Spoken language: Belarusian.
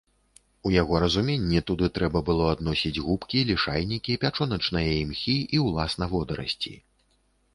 У яго разуменні туды трэба было адносіць губкі, лішайнікі, пячоначныя імхі і ўласна водарасці.